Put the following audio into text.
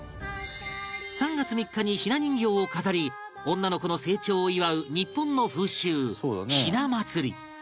３月３日に雛人形を飾り女の子の成長を祝う日本の風習ひな祭り